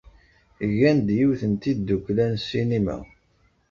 Gan-d yiwet n tiddukla n ssinima.